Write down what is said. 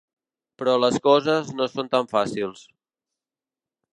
Però les coses no són tan fàcils.